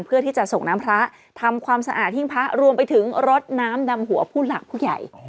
เพื่อที่จะส่งน้ำพระทำความสะอาดหิ้งพระรวมไปถึงรดน้ำดำหัวผู้หลักผู้ใหญ่